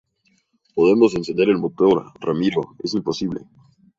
podemos encender el motor. ramiro, es imposible.